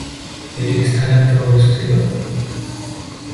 এটি স্থানাঙ্কে অবস্থিত।